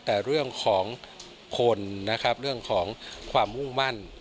แต่เรื่องของคนนะครับเรื่องของความมุ่งมั่น